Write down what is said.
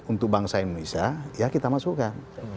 untuk bangsa indonesia ya kita masukkan